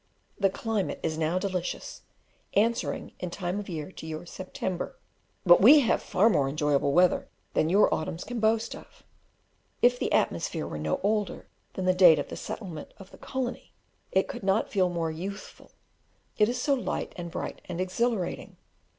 The climate is now delicious, answering in time of year to your September; but we have far more enjoyable weather than your autumns can boast of. If the atmosphere were no older than the date of the settlement of the colony, it could not feel more youthful, it is so light and bright, and exhilarating!